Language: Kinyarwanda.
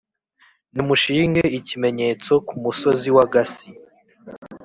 Nimushinge ikimenyetso ku musozi w’agasi,